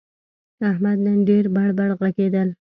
احمد نن ډېر بړ بړ ږغېدل.